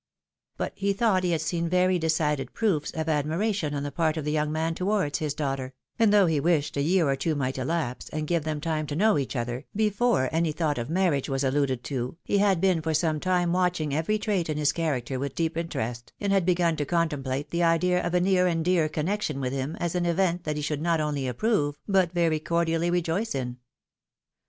But he thought he had seen very decided proofs of admiration on the part of the young man towards his daughter ; and though he wished a year or two might elapse, and give them time to know each other, before any thought of marriage was alluded to, he had been for some time watching every trait in his character with deep interest, and had begun to contemplate the idea of a near and dear connection with him as an event that he should not only approve, but very cordially rejoice in.